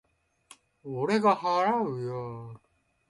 俺が払うよ。